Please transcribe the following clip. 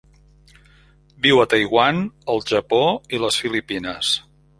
Viu a Taiwan, el Japó i les Filipines.